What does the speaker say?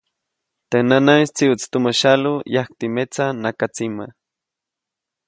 Teʼ ʼäj nanaʼis tsiʼutsi tumä syalu yajkti metsa nakatsima.